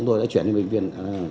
tôi đã chuyển đến bệnh viện